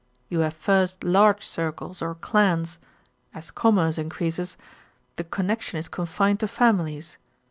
You have first large circles, or clans; as commerce increases, the connection is confined to families.